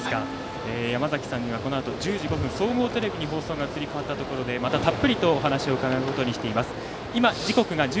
山崎さんにはこのあと１０時５分総合テレビに移り変わったあとにもまたたっぷりとお話を伺います。